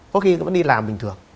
có khi nó đi làm bình thường